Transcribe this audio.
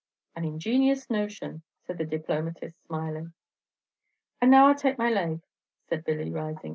"An ingenious notion," said the diplomatist, smiling. "And now I 'll take my lave," said Billy, rising.